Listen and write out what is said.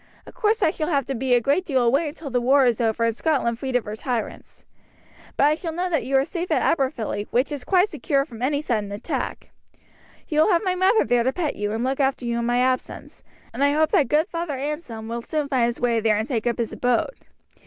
Of course I shall have to be a great deal away until the war is over and Scotland freed of her tyrants. But I shall know that you are safe at Aberfilly, which is quite secure from any sudden attack. You will have my mother there to pet you and look after you in my absence, and I hope that good Father Anselm will soon find his way there and take up his abode.